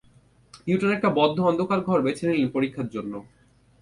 Newton একটা বদ্ধ অন্ধকার ঘর বেছে নিলেন পরীক্ষাটির জন্য।